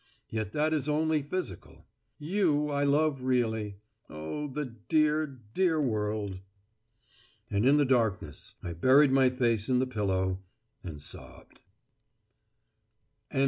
Yet that is only physical. You, I love really. Oh, the dear, dear world!" And in the darkness I buried my face in the pillow, and sobbed.